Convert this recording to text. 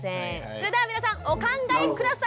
それでは皆さんお考え下さい！